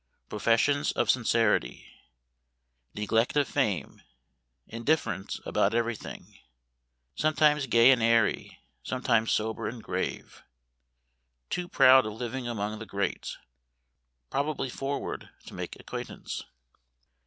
Professions of sincerity_. Neglect of fame. Indifference about everything. Sometimes gay and airy, sometimes sober and grave. Too proud of living among the great. Probably forward to make acquaintance.